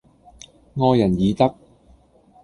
愛人以德